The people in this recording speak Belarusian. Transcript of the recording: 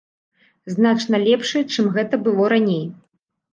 Значна лепшыя, чым гэта было раней.